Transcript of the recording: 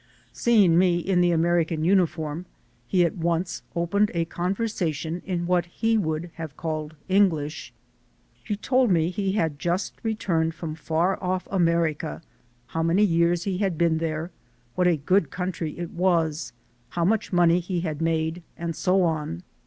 Seeing me in the American uniform, he at once opened a conversation in what he would have called English. He told me he had just re turned from far off America, how many years he had been there, what a good country it was, how much money he had made, and so on.